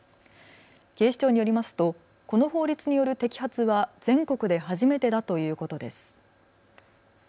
警視庁によりますとこの法律による摘発は全国で初めてだということです。